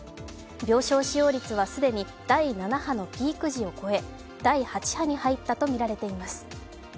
病床使用率は既に第７波のピーク時を超え、第８波に入ったとみられています。